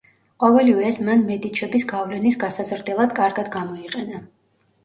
ყოველივე ეს მან მედიჩების გავლენის გასაზრდელად კარგად გამოიყენა.